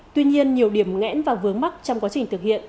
tuy nhiên nhiều điểm ngẽn và vướng mắt trong quá trình thực hiện